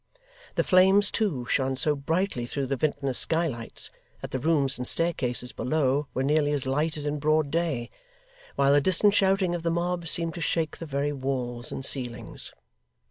The flames too, shone so brightly through the vintner's skylights, that the rooms and staircases below were nearly as light as in broad day; while the distant shouting of the mob seemed to shake the very walls and ceilings.